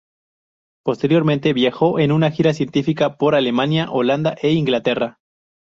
Posteriormente viajó en una gira científica por Alemania, Holanda e Inglaterra.